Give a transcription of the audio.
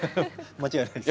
間違いないです。